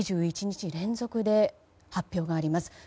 ２１日連続で発表があります。